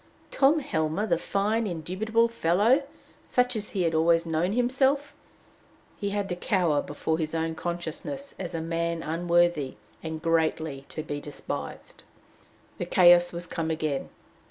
Tom Helmer, the fine, indubitable fellow! such as he had always known himself! he to cower before his own consciousness as a man unworthy, and greatly to be despised! The chaos was come again!